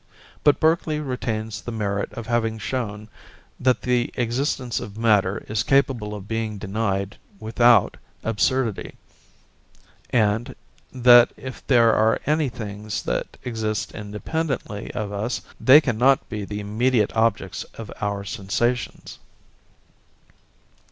But Berkeley retains the merit of having shown that the existence of matter is capable of being denied without absurdity, and that if there are any things that exist independently of us they cannot be the immediate objects of our sensations.